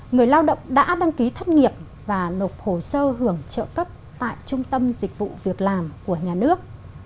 người lao động đã đăng ký thất nghiệp và nộp hồ sơ hưởng trợ cấp tại trung tâm dịch vụ việc làm của nhà nước